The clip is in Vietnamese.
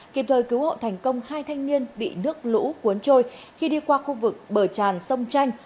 kịp thời cứu hộ thành công hai thanh niên bị nước lũ cuốn trôi khi đi qua khu vực bờ tràn sông tranh